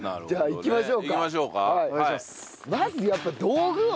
行きましょう。